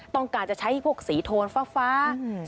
ต้องการจะใช้พวกสีโทนฟ้า